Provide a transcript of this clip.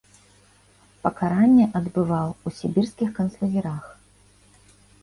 Пакаранне адбываў ў сібірскіх канцлагерах.